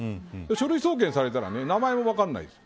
書類送検されたら名前も分からないです。